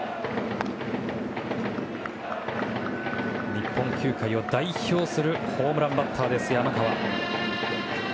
日本球界を代表するホームランバッターの山川。